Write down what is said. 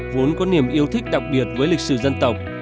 vốn có niềm yêu thích đặc biệt với lịch sử dân tộc